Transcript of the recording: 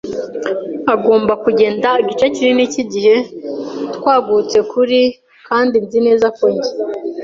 agomba kugenda; igice kinini cyigihe twagutse kuri, kandi nzi neza ko njye